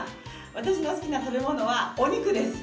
私の好きな食べ物はお肉です。